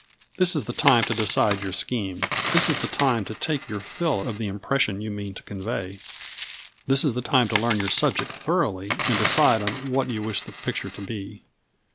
This is the time to decide your scheme; this is the time to take your fill of the impression you mean to convey. This is the time to learn your subject thoroughly and decide on what you wish the picture to be.